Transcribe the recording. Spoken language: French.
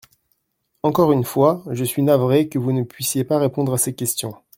Encore une fois, je suis navrée que vous ne puissiez pas répondre à ces questions.